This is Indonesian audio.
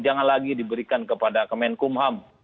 jangan lagi diberikan kepada kemenkumham